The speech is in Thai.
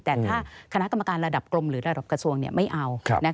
แต่ถ้าคณะกรรมการระดับกรมหรือระดับกระทรวงไม่เอา